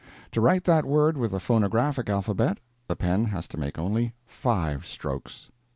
To write that word with the phonographic alphabet, the pen has to make only FIVE strokes.